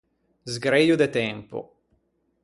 Sgreio de tempo.